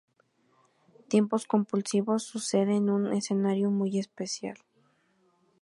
Tiempos compulsivos sucede en un escenario muy especial.